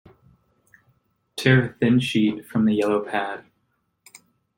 Tear a thin sheet from the yellow pad.